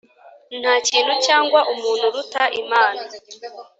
Nta kintu cyangwa umuntu uruta Imana;